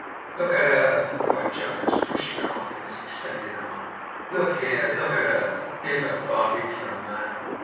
'Look at her!' cried Jonas, pushing her off with his extended arm. 'Look here! Look at her! Here's a bargain for a man!